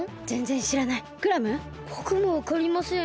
ぼくもわかりません。